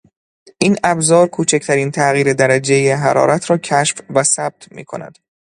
این ابزار کوچکترین تغییر درجهی حرارت را کشف و ثبت میکند.